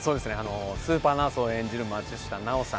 スーパーナースの松下奈緒さん